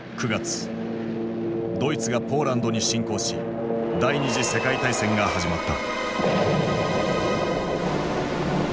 ドイツがポーランドに侵攻し第二次世界大戦が始まった。